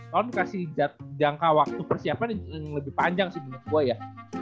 tolong kasih jangka waktu persiapan yang lebih panjang sih buat gue ya